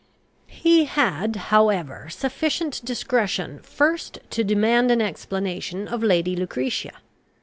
He had, however, sufficient discretion first to demand an explanation of Lady Lucretia.